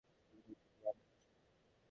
তিনি শান্তি ফিরিয়ে আনার কাজ করেছেন।